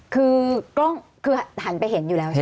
คือหันไปเห็นอยู่แล้วใช่ไหม